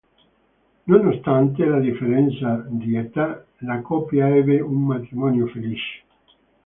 Nonostante la differenza di età, la coppia ebbe un matrimonio felice.